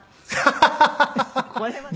ハハハハ！